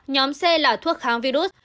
nhóm c là thuốc kháng virus